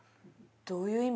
どういう意味？